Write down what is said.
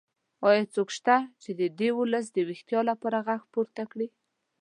ایا څوک شته چې د دې ولس د ویښتیا لپاره غږ پورته کړي؟